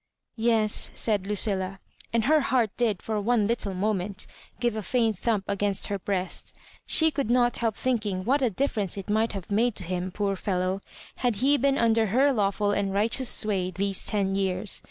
" Yes," said Lucilla — and her heart did for one little moment give a faint thump against her breast She could not help thinking what a dif ference it might have made to him, poor fellow, had he been. under her lawful and righteous sway these ten years.